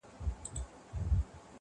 ور کول مو پر وطن باندي سرونه،